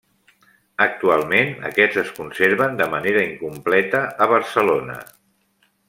Actualment, aquests es conserven de manera incompleta a Barcelona.